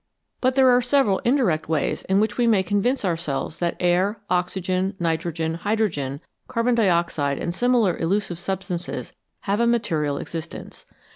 But there are several indirect ways in which we may convince ourselves that air, oxygen, nitrogen, hydrogen, carbon dioxide, and similar elusive substances have a material existence.